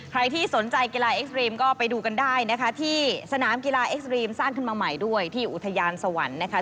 ใครที่สนใจกีฬาเอ็กซ์รีมก็ไปดูกันได้นะคะที่สนามกีฬาเอ็กซ์รีมสร้างขึ้นมาใหม่ด้วยที่อุทยานสวรรค์นะคะ